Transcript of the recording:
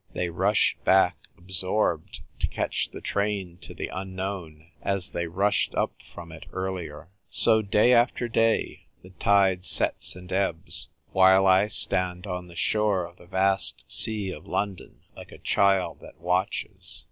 They rush back, absorbed, to catch the train to the Unknown, as they rushed up from it earlier. .,^ INTRODUCES A LATTER DAY HEROINE. II So, day after day, the tide sets and ebbs; while I stand on the shore of the vast sea of London like a child that watches.